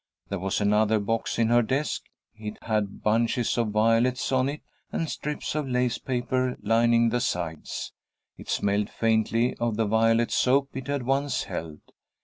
There was another box in her desk. It had bunches of violets on it and strips of lace paper lining the sides. It smelled faintly of the violet soap it had once held.